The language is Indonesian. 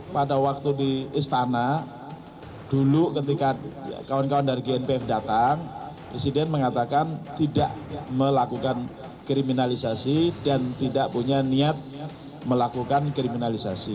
pada waktu di istana dulu ketika kawan kawan dari gnpf datang presiden mengatakan tidak melakukan kriminalisasi dan tidak punya niat melakukan kriminalisasi